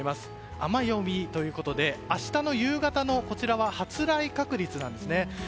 あまヨミということで明日の夕方の発雷確率です。